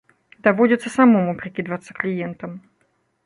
Даводзіцца самому прыкідвацца кліентам.